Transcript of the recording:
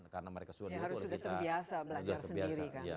karena mereka sudah terbiasa belajar sendiri